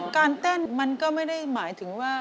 การเต้นมันก็ไม่ได้หมายถึงว่า